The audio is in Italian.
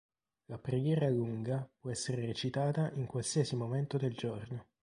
La preghiera lunga può essere recitata in qualsiasi momento del giorno.